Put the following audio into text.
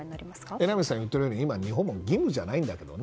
榎並さんが言っているように今の日本も義務じゃないんだけどね。